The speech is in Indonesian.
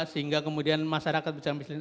sehingga kemudian masyarakat bisa miskin